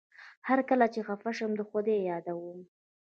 هر کله چي خپه شم خدای يادوم